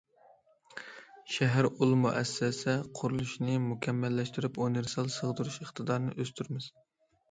شەھەر ئۇل مۇئەسسەسە قۇرۇلۇشىنى مۇكەممەللەشتۈرۈپ، ئۇنىۋېرسال سىغدۇرۇش ئىقتىدارىنى ئۆستۈرىمىز.